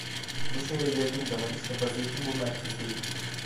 Bu şehre geldiğim zaman işte vaziyetim bu merkezde idi.